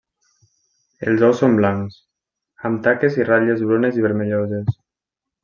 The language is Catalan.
Els ous són blancs, amb taques i ratlles brunes i vermelloses.